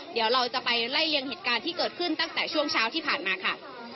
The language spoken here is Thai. เดี๋ยวเราจะไปไล่เลี่ยงเหตุการณ์ที่เกิดขึ้นตั้งแต่ช่วงเช้าที่ผ่านมาค่ะ